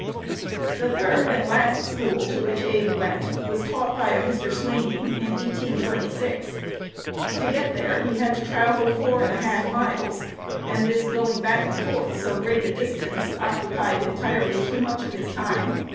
The third and last school to which Abe went was taught by a Mr. Swaney, in 1826. To get there, he had to travel four and a half miles; and this going back and forth so great a distance occupied entirely too much of his time.